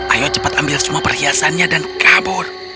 ayo cepat ambil semua perhiasannya dan kabur